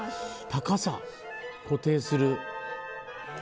高さ、固定する。